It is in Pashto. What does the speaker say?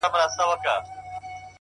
هره هڅه ځانګړی اثر لري.!